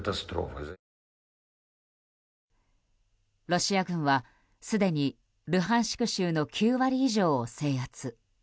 ロシア軍はすでにルハンシク州の９割以上を制圧。